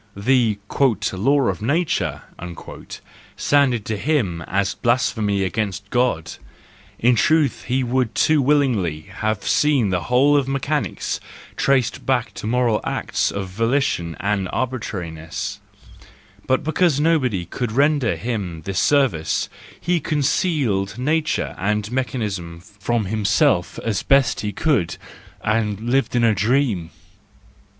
The "law of nature" sounded to him as blasphemy against God ; in truth he would too willingly have seen the whole of mechanics traced back to moral acts of volition and arbitrari 7 98 THE JOYFUL WISDOM, II ness;—but because nobody could render him this service, he concealed nature and mechanism from himself as best he could, and lived in a dream.